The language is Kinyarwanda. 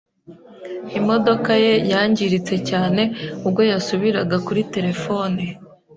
Imodoka ye yangiritse cyane ubwo yasubiraga kuri terefone.